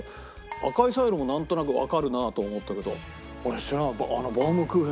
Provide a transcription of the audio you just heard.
赤いサイロもなんとなくわかるなと思ったけど俺知らなかったあのバウムクーヘン。